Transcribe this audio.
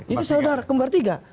itu saudara kembar tiga